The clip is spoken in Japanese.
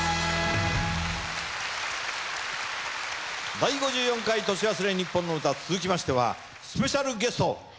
『第５４回年忘れにっぽんの歌』続きましてはスペシャルゲスト。